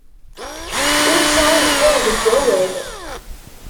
Ur sɛujqur deg awal.